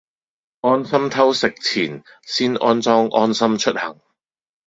安心偷食前先安裝安心出行